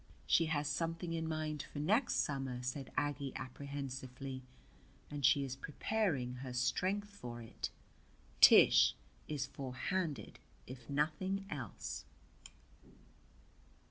"She has something in mind for next summer," said Aggie apprehensively, "and she is preparing her strength for it. Tish is forehanded if nothing else."